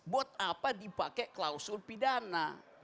buat apa dipakai klausul pidana